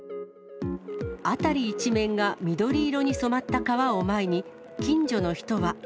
辺り一面が緑色に染まった川を前に、近所の人は。